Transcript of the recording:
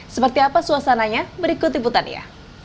seperti apa suasananya berikut liputannya